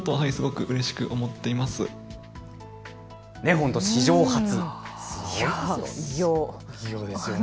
本当に史上初、すごいですよね。